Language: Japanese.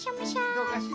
「どうかしら？」。